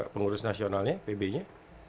pengurus nasionalnya pb nya